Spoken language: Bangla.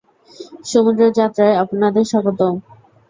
সমুদ্রযাত্রায় আপনাদের স্বাগতম।